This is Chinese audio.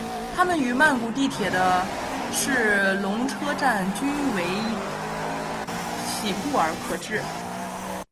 它们与曼谷地铁的是隆车站均是徙步可至。